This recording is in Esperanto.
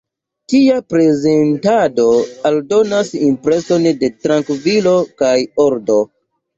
Tia prezentado aldonas impreson de trankvilo kaj ordo.